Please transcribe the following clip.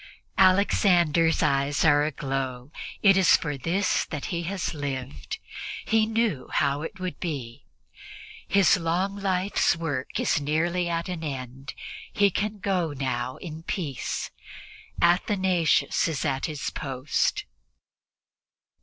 Alexander's eyes are aglow; it is for this that he has lived; he knew how it would be. His long life's work is nearly at an end; he can go now in peace. Athanasius is at his post.